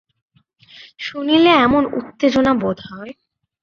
শুনিলে এমন উত্তেজনা বোধ হয়!